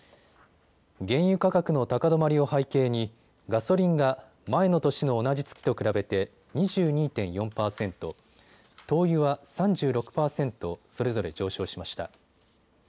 原油価格の高止まりを背景にガソリンが前の年の同じ月と比べて２２．４％、灯油は３６％、それぞれ上昇しました。